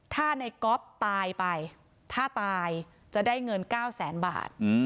ถ้าในก๊อฟตายไปถ้าตายจะได้เงิน๙แสนบาท